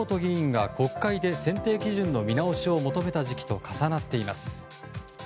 また、その時期は秋本議員が国会で選定基準の見直しを求めた時期と重なっています。